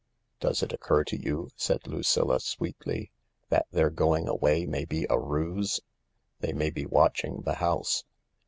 "Does it occur to you," said Lucilla sweetly, "that their going away may be a ruse ? They may be watching the house."